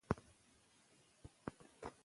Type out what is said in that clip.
هو کې! بيبيتوب ګران دی خو کچنۍ واله خورا اسانه ده